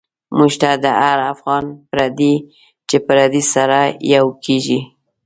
موږ ته هر افغان پردی، چی پردی سره یو کیږی